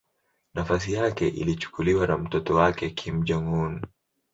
Nafasi yake ilichukuliwa na mtoto wake Kim Jong-un.